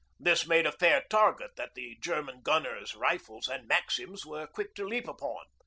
They made a fair target that the German gunners, rifles, and maxims were quick to leap upon.